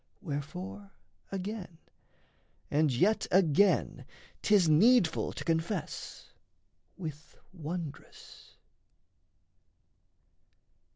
Wherefore, again, And yet again, 'tis needful to confess With wondrous...